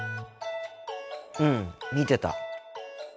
うん見てた。